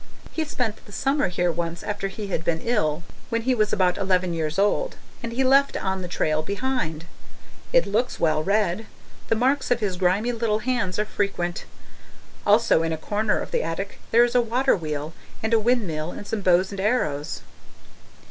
He spent the summer here once after he had been ill, when he was about eleven years old; and he left On the Trail behind. It looks well read the marks of his grimy little hands are frequent! Also in a corner of the attic there is a water wheel and a windmill and some bows and arrows.